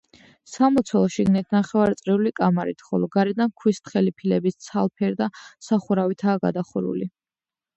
სამლოცველო შიგნით ნახევარწრიული კამარით, ხოლო გარედან ქვის თხელი ფილების ცალფერდა სახურავითაა გადახურული.